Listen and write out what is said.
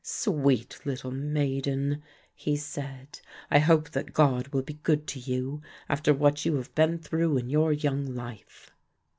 "Sweet little maiden," he said, "I hope that God will be good to you after what you have been through in your young life."